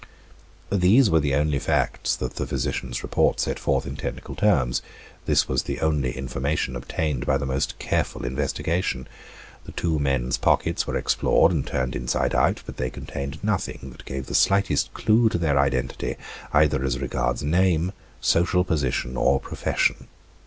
These were the only facts that the physicians' report set forth in technical terms, this was the only information obtained by the most careful investigation. The two men's pockets were explored and turned inside out; but they contained nothing that gave the slightest clue to their identity, either as regards name, social position, or profession.